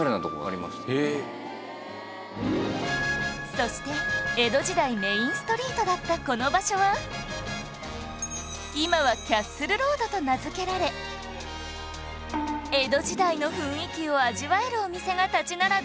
そして江戸時代メインストリートだったこの場所は今はキャッスルロードと名付けられ江戸時代の雰囲気を味わえるお店が立ち並び